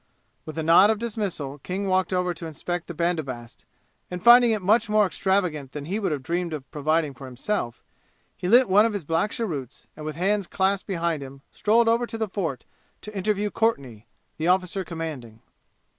With a nod of dismissal, King walked over to inspect the bandobast, and finding it much more extravagant than he would have dreamed of providing for himself, he lit one of his black cheroots, and with hands clasped behind him strolled over to the fort to interview Courtenay, the officer commanding.